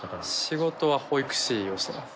仕事は保育士をしています。